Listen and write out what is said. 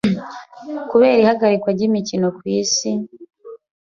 kubera ihagarikwa ry'imikino ku isi